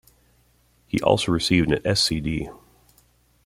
He also received a Sc.D.